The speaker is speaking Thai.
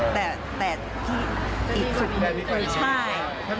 แต่ที่สุขอีกนิดคือใช่